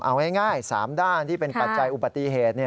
เอาง่าย๓ด้านที่เป็นปัจจัยอุบัติเหตุ